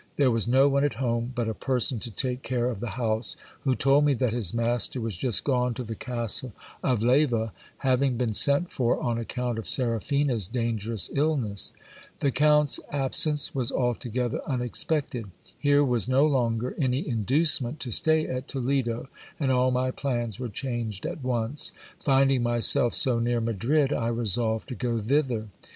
There was no one at home but a person to take care of the house, who told me that his master was just gone to the castle of Leyva, having been sent for on account of Seraphina's dangerous illness. The count's absence was altogether unexpected : here was no longer any in ducement to stay at Toledo, and all my plans were changed at once. Finding myself so near Madrid, I resolved to go thither.